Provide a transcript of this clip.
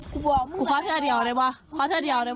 กูเขาเซียเดียวเลยบอ